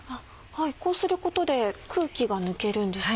こうすることで空気が抜けるんですか？